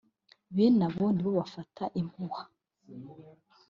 Bene abo nibo bafata impuha